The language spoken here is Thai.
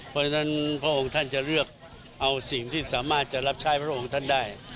เพราะฉะนั้นพระองค์ท่านจะเลือกเอาสิ่งที่สามารถจะรับใช้พระองค์ท่านได้